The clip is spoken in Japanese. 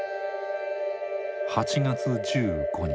８月１５日。